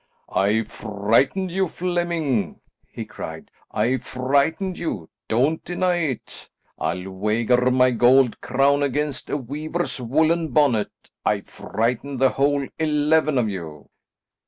"I frightened you, Flemming," he cried. "I frightened you; don't deny it. I'll wager my gold crown against a weaver's woollen bonnet, I frightened the whole eleven of you."